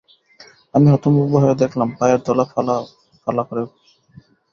আমি হতভম্ব হয়ে দেখলাম, পায়ের তলা ফালা-ফালা করে কোটা!